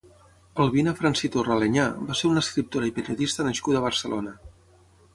Albina Francitorra Aleñà va ser una escriptora i periodista nascuda a Barcelona.